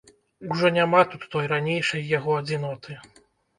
Ужо няма тут той ранейшай яго адзіноты.